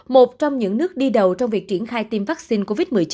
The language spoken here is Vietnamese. một trong những nước đi đầu trong việc triển khai tiêm vaccine covid một mươi chín